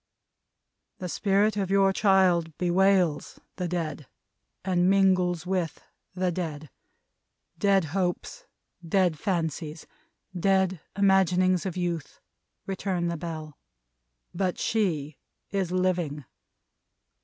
"The Spirit of your child bewails the dead, and mingles with the dead dead hopes, dead fancies, dead imaginings of youth," returned the Bell, "but she is living.